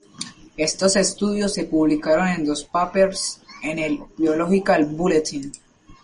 Estos estudios se publicaron en dos papers en el "Biological Bulletin".